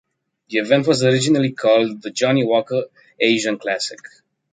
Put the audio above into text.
The event was originally called the Johnnie Walker Asian Classic.